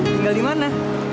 tinggal di mana